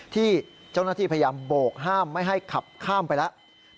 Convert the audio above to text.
ที่เจ้าหน้าที่พยายามโบกห้ามไม่ให้ขับข้ามไปแล้ว